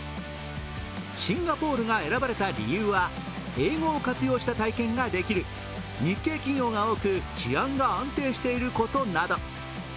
シンガポールが選ばれた理由は、英語を活用した体験ができる、日系企業が多く、治安が安定していることなど。